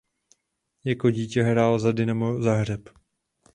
Jako dítě hrál za Dinamo Záhřeb.